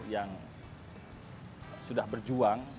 yang sudah berjuang